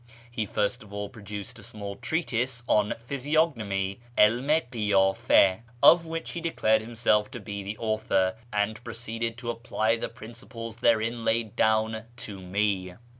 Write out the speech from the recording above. He first of all produced a small treatise on physiog nomy (^ilm i kiyAfa), of which he declared himself to be the author, and proceeded to apply the principles therein laid down to me.